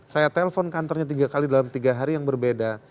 saya telpon kantornya tiga kali dalam tiga hari yang berbeda